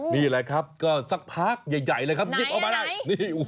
นี่แหละครับก็สักพักใหญ่เลยครับหยิบออกมาได้